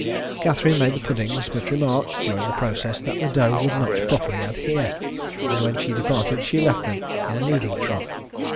Catherine made the puddings; but remarked, during the process, that the dough would not properly adhere, and when she departed she left them in a kneading trough.